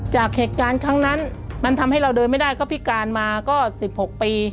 จากเหตุการณ์ครั้งนั้นมันทำให้เราเดินไม่ได้ก็พิการมาก็๑๖ปี